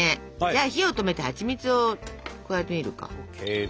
じゃあ火を止めてはちみつを加えてみるか。ＯＫ。